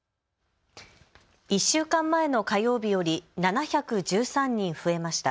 １週間前の火曜日より７１３人増えました。